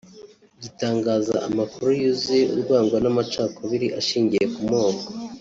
gitangaza amakuru yuzuye urwango n’amacakubiri ashingiye ku moko